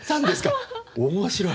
面白い！